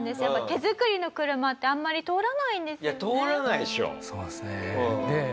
やっぱり手作りの車ってあんまり通らないんですよね。